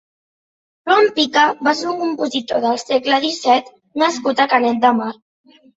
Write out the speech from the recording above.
Joan Pica va ser un compositor del segle disset nascut a Canet de Mar.